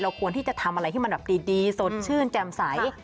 ควรที่จะทำอะไรที่มันแบบดีสดชื่นแจ่มใส